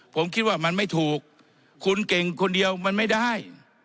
ผมคิดว่ามันไม่ถูกคุณเก่งคนเดียวมันไม่ได้